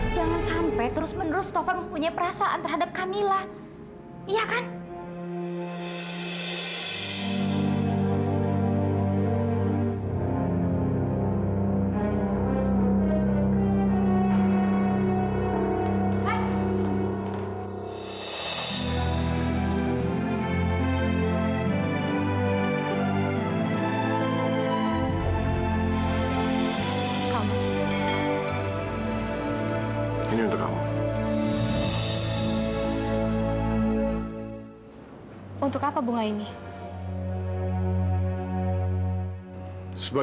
jangan sampai terus menerus taufan mempunyai perasaan terhadap kamila